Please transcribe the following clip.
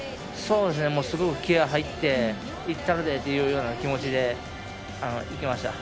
すごい気合い入っていったるで！という気持ちでいきました。